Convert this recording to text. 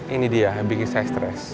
ini dia bikin saya stres